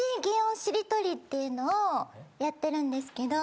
っていうのをやってるんですけど。